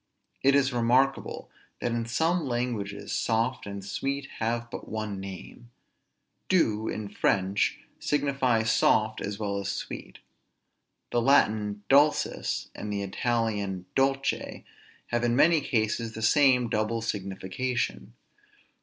It is remarkable, that in some languages soft and sweet have but one name. Doux in French signifies soft as well as sweet. The Latin dulcis, and the Italian dolce, have in many cases the same double signification.